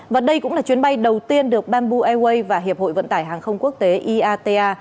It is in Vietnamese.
và đây cũng là chuyến bay đầu tiên được bamboo airways và hiệp hội vận tải hàng không quốc tế iata